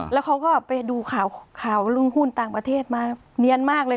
แล้วเขาก็ไปดูข่าวลุงหุ้นต่างประเทศมาเนียนมากเลย